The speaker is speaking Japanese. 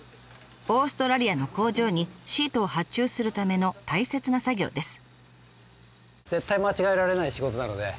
オーストラリアの工場にシートを発注するための大切な作業です。